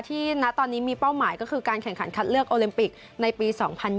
ณตอนนี้มีเป้าหมายก็คือการแข่งขันคัดเลือกโอลิมปิกในปี๒๐๒๐